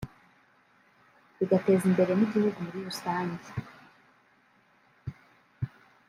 bigateza imbere n’igihugu muri rusange